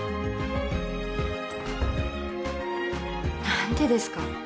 何でですか？